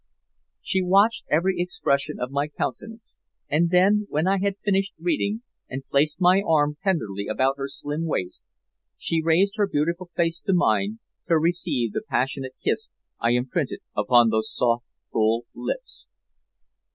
She watched every expression of my countenance, and then, when I had finished reading and placed my arm tenderly about her slim waist, she raised her beautiful face to mine to receive the passionate kiss I imprinted upon those soft, full lips.